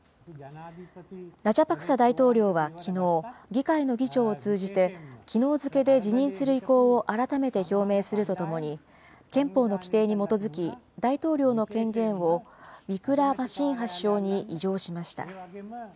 ラジャパクサ大統領はきのう、議会の議長を通じて、きのう付けで辞任する意向を改めて表明するとともに、憲法の規定に基づき、大統領の権限をウィクラマシンハ首相に委譲しました。